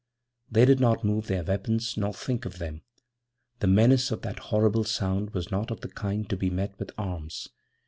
They did not move their weapons nor think of them; the menace of that horrible sound was not of the kind to be met with arms.